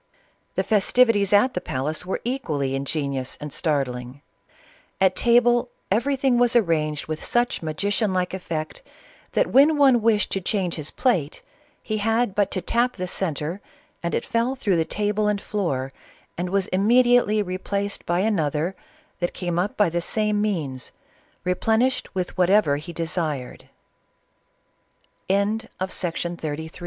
The festivities at the palace were equally inge nious and startling. At table everything was arranged with such magician like effect that when one wished to change his plate, he had but to tap the centre and it fell through the tat^and floor, and was immediately replaced by anotner that came up by the 'same means, replenished with whatever he desire